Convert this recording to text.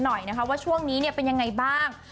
ก็เลยก็หน่อยว่าช่วงนี้เนี้ยเป็นยังไงบ้าง